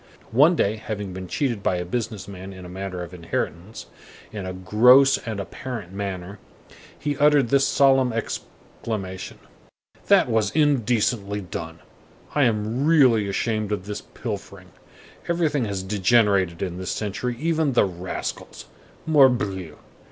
One day, having been cheated by a business man in a matter of inheritance, in a gross and apparent manner, he uttered this solemn exclamation: "That was indecently done! I am really ashamed of this pilfering. Everything has degenerated in this century, even the rascals. Morbleu!